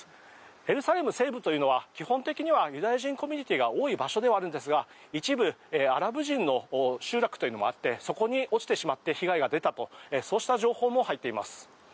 エルサレム西部というのは基本的にはユダヤ人コミュニティーが多い場所ではあるんですが一部、アラブ人の集落というのもあってそこに落ちてしまって被害が出たとそうした情報も入っています。